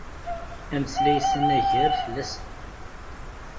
Ameslay-is anagar fell-asen.